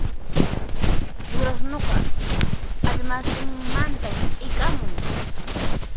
Durasnuqa k'allmastinmantan t'ikamun